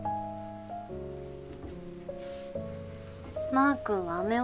マー君は雨男？